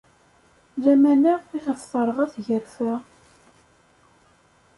Lamana iɣef terɣa tgarfa.